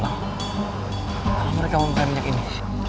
kalau mereka memakai minyak ini